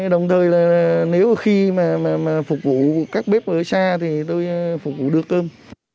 đồng thời là nếu mà khi mà phục vụ các bếp ở xa thì tôi phục vụ đưa cơm